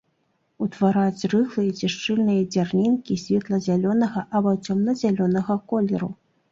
Утвараюць рыхлыя ці шчыльныя дзярнінкі светла-зялёнага або цёмна-зялёнага колеру.